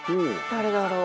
誰だろう？